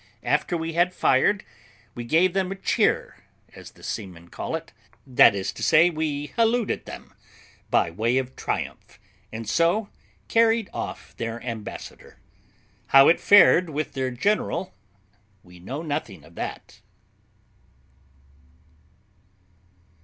After we had fired, we gave them a cheer, as the seamen call it; that is to say, we hallooed, at them, by way of triumph, and so carried off their ambassador. How it fared with their general, we know nothing of that.